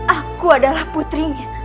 aku adalah putrinya